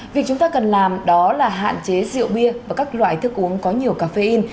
vì chúng ta cần làm đó là hạn chế rượu bia và các loại thức uống có nhiều cà phê in